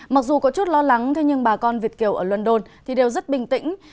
mặc dù có chút lo lắng nhưng bà con việt kiều ở london đều rất bình tĩnh